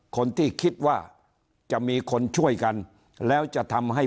คนที่คิดว่าจะมีคนช่วยกันแล้วจะทำให้